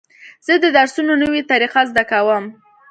زه د درسونو نوې طریقې زده کوم.